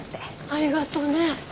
ありがとね。